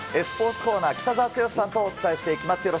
スポーツコーナー、北澤豪さんとお伝えしていきます。